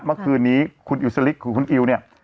เมื่อคืนนี้คุณอิวสลิกคือคุณอิวเนี่ย